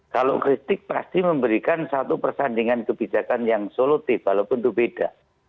kalau kritik pasti memberikan satu persandingan kebijakan yang solutif walaupun itu beda